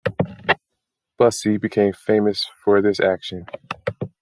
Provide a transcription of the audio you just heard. Bussy became famous for this action.